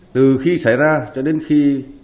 từ khi xảy ra cho đến khi